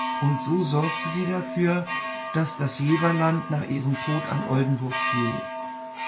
Und so sorgte sie dafür, dass das Jeverland nach ihrem Tod an Oldenburg fiel.